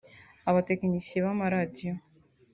abatekinisiye b’amaradiyo